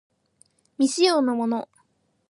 未使用のもの